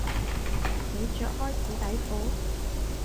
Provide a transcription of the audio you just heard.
你着開紙底褲？